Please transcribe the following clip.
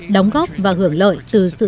đóng góp và hưởng lợi từ sự